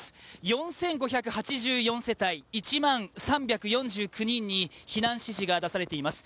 ４８５４世帯、１万３４９人に避難指示が出されています。